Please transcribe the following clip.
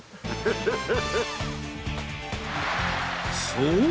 そう！